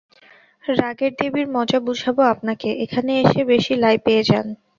রাগের দেবীর মজা বুঝাবো আপনাকে, এখানে এসে বেশি লাই পেয়ে যান।